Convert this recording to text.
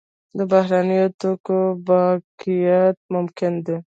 د بهرنیو توکو بایکاټ ممکن دی؟